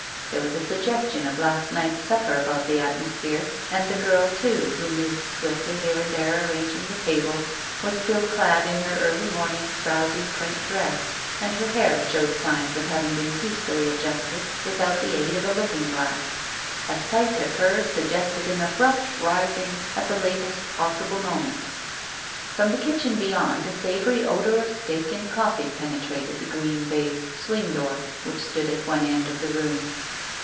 There was a suggestion of last night's supper about the atmosphere; and the girl, too, who moved swiftly here and there arranging the tables, was still clad in her early morning, frowsy print dress, and her hair showed signs of having been hastily adjusted without the aid of a looking glass. A sight of her suggested an abrupt rising at the latest possible moment. From the kitchen beyond a savoury odour of steak and coffee penetrated the green baize swing door which stood at one end of the room.